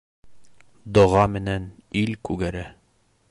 Доға менән ил күгәрә.